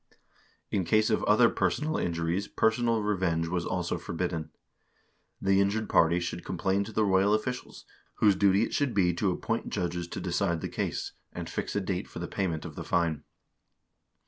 In case of other personal injuries personal reyjmge was also forbidden. The injured party should complain to the royal officials, whose duty it should be to appoint judges to decide the case, and fix a date for the payment of the fine.